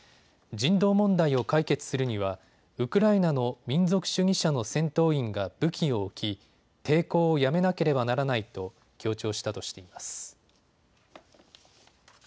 人道問題を解決するにはウクライナの民族主義者の戦闘員が武器を置き抵抗をやめなければならないと強調したとしています。